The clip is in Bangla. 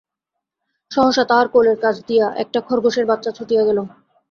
সহসা তাহার কোলের কাছ দিয়া একটা খরগোশের বাচ্ছা ছুটিয়া গেল।